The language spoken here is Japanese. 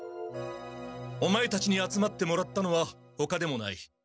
お前たちに集まってもらったのはほかでもない。